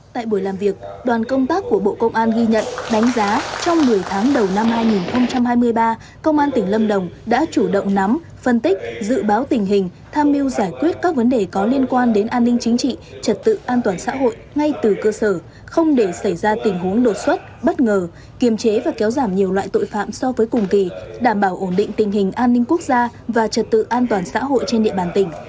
tại buổi làm việc đoàn công tác của bộ công an ghi nhận đánh giá trong một mươi tháng đầu năm hai nghìn hai mươi ba công an tỉnh lâm đồng đã chủ động nắm phân tích dự báo tình hình tham mưu giải quyết các vấn đề có liên quan đến an ninh chính trị trật tự an toàn xã hội ngay từ cơ sở không để xảy ra tình huống đột xuất bất ngờ kiềm chế và kéo giảm nhiều loại tội phạm so với cùng kỳ đảm bảo ổn định tình hình an ninh quốc gia và trật tự an toàn xã hội trên địa bàn tỉnh